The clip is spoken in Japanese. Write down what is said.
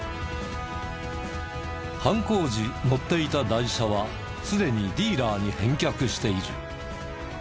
犯行時乗っていた代車はすでにディーラーに返却している。